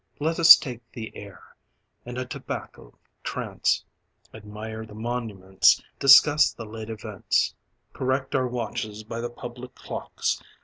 Let us take the air, in a tobacco trance, Admire the monuments Discuss the late events, Correct our watches by the public clocks.